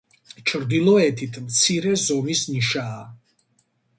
ჩრდილოეთით მცირე ზომის ნიშაა.